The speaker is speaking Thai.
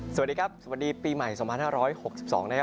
สวัสดีครับสวัสดีปีใหม่สมมติห้าร้อยหกสิบสองนะครับ